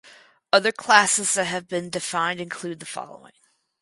Other classes that have been defined include the following.